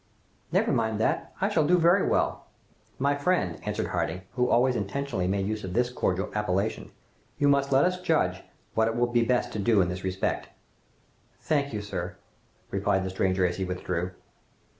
"Never mind that, I shall do very well." "My friend," answered Harding, who always intentionally made use of this cordial appellation, "you must let us judge what it will be best to do in this respect." "Thank you, sir," replied the stranger as he withdrew.